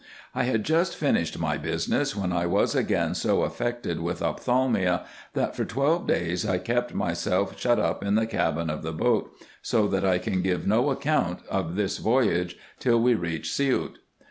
I had just finished my business, when I was again so affected with ophthalmia, that for twelve days I kept myself shut up in the cabin of the boat, so that I can give no account of this voyage, till we reached Siout.